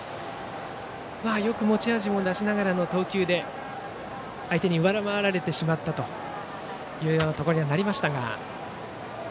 よく持ち味も出しながらの投球で相手に上回られてしまったことになりました。